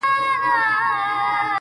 لږ په هنر ږغېږم، ډېر ډېر په کمال ږغېږم